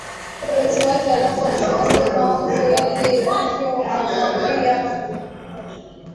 mpenzi wake halafu anasema sema ovyo yule hivi Namwambia maneno ya mkosaji hayanikoseshi